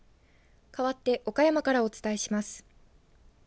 かわって岡山からお伝えします。